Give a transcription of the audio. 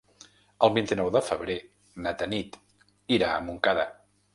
El vint-i-nou de febrer na Tanit irà a Montcada.